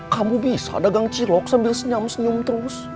kamu bisa dagang cilok sambil senyam senyum terus